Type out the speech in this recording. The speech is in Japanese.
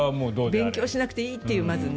勉強しなくていいという。